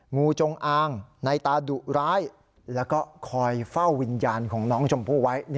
งูจงอางในตาดุร้ายแล้วก็คอยเฝ้าวิญญาณของน้องชมพู่ไว้